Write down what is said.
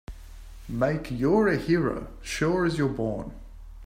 Make you're a hero sure as you're born!